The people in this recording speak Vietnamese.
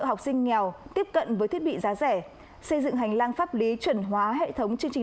học sinh nghèo tiếp cận với thiết bị giá rẻ xây dựng hành lang pháp lý chuẩn hóa hệ thống chương trình